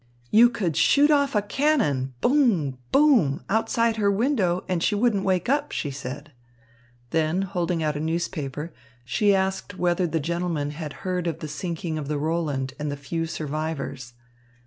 "You could shoot off a cannon, bum! bum! Outside her window, and she wouldn't wake up," she said. Then holding out a newspaper, she asked whether the gentlemen had heard of the sinking of the Roland and the few survivors.